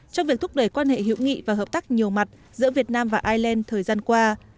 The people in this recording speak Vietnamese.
trong việc thúc đẩy quan hệ hữu nghị và hợp tác nhiều mặt giữa việt nam và ireland thời gian qua